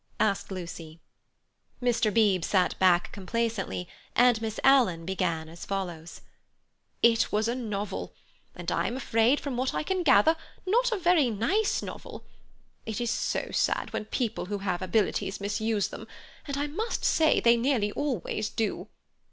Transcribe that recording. asked Lucy. Mr. Beebe sat back complacently, and Miss Alan began as follows: "It was a novel—and I am afraid, from what I can gather, not a very nice novel. It is so sad when people who have abilities misuse them, and I must say they nearly always do.